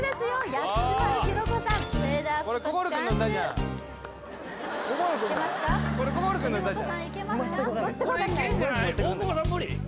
大久保さん無理？